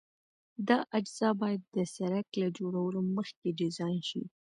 دا اجزا باید د سرک له جوړولو مخکې ډیزاین شي